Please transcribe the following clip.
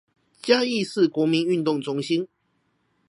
嘉義市國民運動中心